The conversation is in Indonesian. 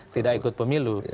tidak ikut pemilu